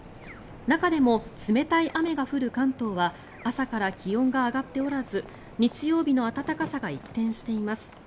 中でも冷たい雨が降る関東は朝から気温が上がっておらず日曜日の暖かさが一転しています。